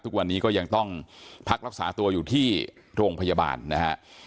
ทุกวันนี้ก็ยังต้องพักรักษาตัวอยู่ที่โรงพยาบาลนะฮะ